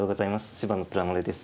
芝野虎丸です。